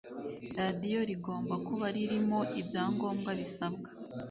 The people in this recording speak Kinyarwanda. radiyo rigomba kuba ririmo ibyangombwa bisabwa